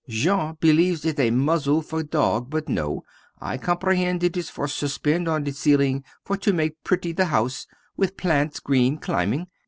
Jean believe it is a muzzle for dog, but no, I comprehend it Is for suspend on the ceiling for to make pretty the house, with plants green, climbing.